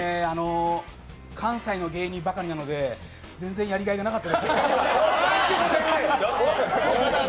関西の芸人ばかりだったので、全然やりがいがなかったです。